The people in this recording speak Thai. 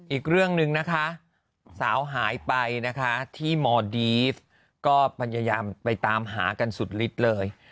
อีกเรื่องหนึ่งนะคะสาวหายไปนะคะที่มดีฟก็พยายามไปตามหากันสุดฤทธิ์เลย